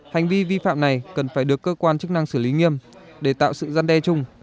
hành vi vi phạm này cần phải được cơ quan chức năng xử lý nghiêm để tạo sự gian đe chung